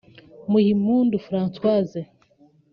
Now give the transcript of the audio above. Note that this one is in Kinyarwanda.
Muhimpundu Francoise